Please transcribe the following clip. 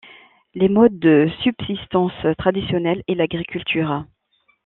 Les modes de subsistance traditionnels est l'agriculture.